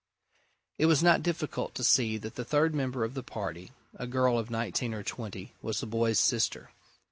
It was not difficult to see that the third member of the party, a girl of nineteen or twenty, was the boy's sister.